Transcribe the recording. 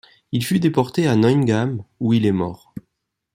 Il fut déporté à Neuengamme où il est mort.